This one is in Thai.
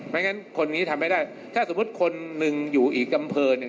ไม่งั้นคนนี้ทำไม่ได้ถ้าสมมติคนหนึ่งอยู่อีกกำเผิน